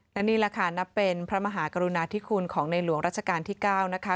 และนี่แหละค่ะนับเป็นพระมหากรุณาธิคุณของในหลวงราชการที่๙นะคะ